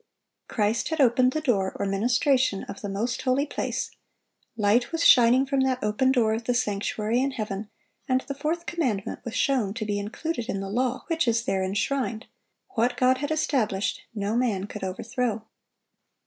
(720) Christ had opened the door, or ministration, of the most holy place, light was shining from that open door of the sanctuary in heaven, and the fourth commandment was shown to be included in the law which is there enshrined; what God had established, no man could overthrow.